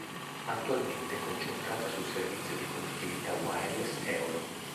Attualmente è concentrata sul servizio di connettività wireless Eolo.